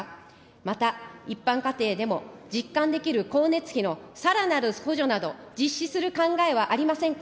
また一般家庭でも、実感できる光熱費のさらなる補助など実施する考えはありませんか。